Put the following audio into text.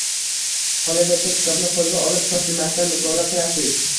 Qolaversa, kitobni qo‘lga olib, shoshilmasdan mutolaa qilasiz